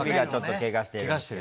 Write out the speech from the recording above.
けがしてる。